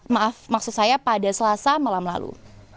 maaf maksud saya pada selasa malam lalu